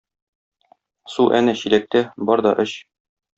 Су әнә чиләктә, бар да эч